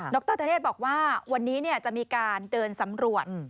รธเนธบอกว่าวันนี้จะมีการเดินสำรวจ